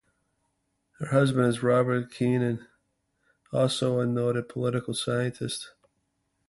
Her husband is Robert Keohane, also a noted political scientist.